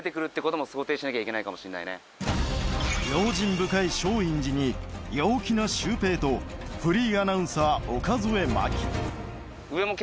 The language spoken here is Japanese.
用心深い松陰寺に陽気なシュウペイとフリーアナウンサー岡副麻希